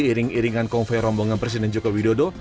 iring iringan konvoy rombongan presiden joko widodo